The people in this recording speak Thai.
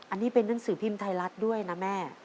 อันนี้เป็นหนังสือพิมพ์ไทยรัฐด้วยนะแม่